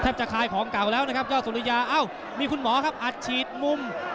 จะคลายของเก่าแล้วนะครับยอดสุริยาเอ้ามีคุณหมอครับอัดฉีดมุม